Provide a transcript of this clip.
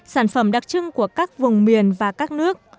sản phẩm đặc trưng của các vùng miền và các nước